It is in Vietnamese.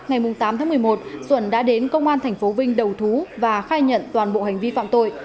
ngày tám tháng một mươi một xuẩn đã đến công an thành phố vinh đầu thú và khai nhận toàn bộ hành vi phạm tội